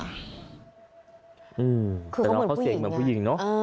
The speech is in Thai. แต่น้องเขาเสียงเหมือนผู้หญิงเนอะ